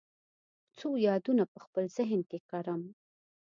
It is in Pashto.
څو یادونه په خپل ذهن کې کرم